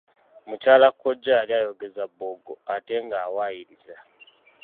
Mukyala kkojja yali ayogeza bboggo ate ng'awaayiriza.